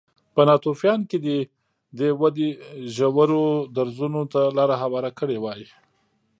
په ناتوفیان کې دې ودې ژورو درزونو ته لار هواره کړې وای